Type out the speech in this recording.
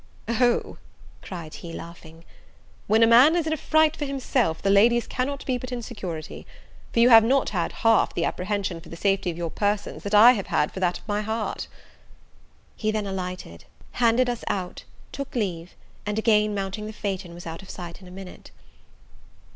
"O," cried he, laughing, "when a man is in a fright for himself, the ladies cannot but be in security; for you have not had half the apprehension for the safety of your persons, that I have for that of my heart." He then alighted, handed us out, took leave, and again mounting the phaeton, was out of sight in a minute.